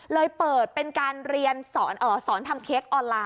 เลยเปิดเป็นการเรียนสอนทำเค้กออนไลน